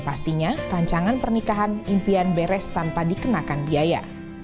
pastinya rancangan pernikahan impian beres tanpa dikenakan biaya